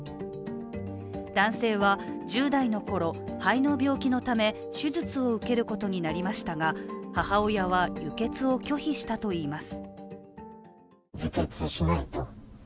男性は１０代のころ、肺の病気のため手術を受けることになりましたが母親は輸血を拒否したといいます。